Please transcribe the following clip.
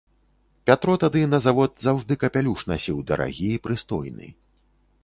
Пятро тады на завод заўжды капялюш насіў дарагі і прыстойны.